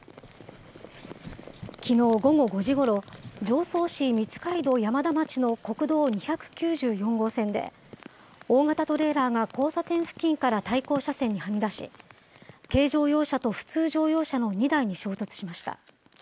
きのう午後５時ごろ、常総市水海道山田町の国道２９４号線で、大型トレーラーが交差点付近から対向車線にはみ出し、軽乗用車と普通乗用車の２台に衝突しました。